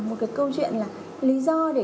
một cái câu chuyện là lý do để